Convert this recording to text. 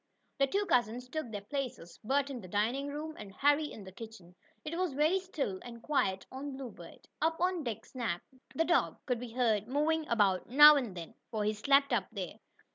The two cousins took their places, Bert in the dining room, and Harry in the kitchen. It was very still and quiet on the Bluebird. Up on deck Snap, the dog, could be heard moving about now and then, for he slept up there.